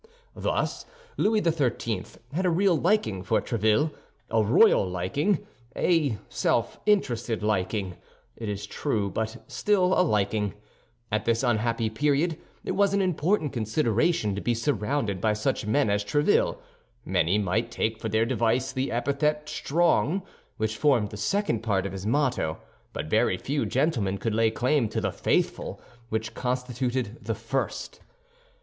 Thus Louis XIII. had a real liking for Tréville—a royal liking, a self interested liking, it is true, but still a liking. At that unhappy period it was an important consideration to be surrounded by such men as Tréville. Many might take for their device the epithet strong, which formed the second part of his motto, but very few gentlemen could lay claim to the faithful, which constituted the first.